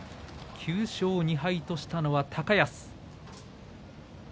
９勝２敗としたのは高安。